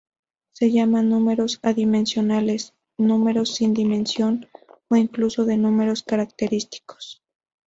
Se llaman números adimensionales, números sin dimensión o incluso de números característicos.